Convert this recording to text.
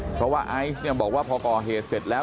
เพราะว่าไอซ์เนี่ยบอกว่าพอก่อเหตุเสร็จแล้ว